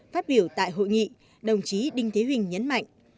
phát biểu tại hội nghị đồng chí đinh thế hùng nhấn mạnh